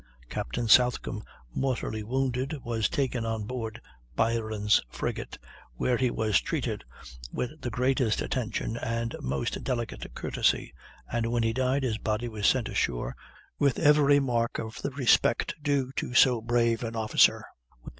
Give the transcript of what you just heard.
Captain Southcomb, mortally wounded, was taken on board Byron's frigate, where he was treated with the greatest attention and most delicate courtesy, and when he died his body was sent ashore with every mark of the respect due to so brave an officer.